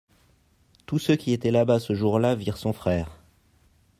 Tous ceux qui étaient là-bas ce jour-là virent son frère.